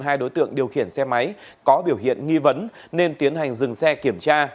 hai đối tượng điều khiển xe máy có biểu hiện nghi vấn nên tiến hành dừng xe kiểm tra